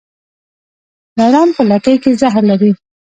لړم په لکۍ کې زهر لري